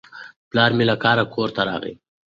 پلار مې له کاره کور ته راغی.